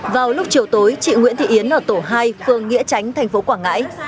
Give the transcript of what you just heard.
vào lúc chiều tối chị nguyễn thị yến ở tổ hai phường nghĩa tránh thành phố quảng ngãi